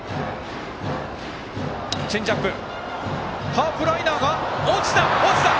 ハーフライナーが落ちた！